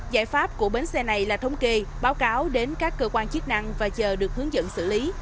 giải pháp của bến xe này là thống kê báo cáo đến các cơ quan chức năng và chờ được hướng dẫn xử lý